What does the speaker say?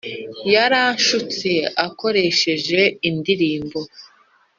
Yaragshutse akoresheje indirimbo